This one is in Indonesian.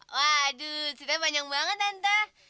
waduh cerita panjang banget tante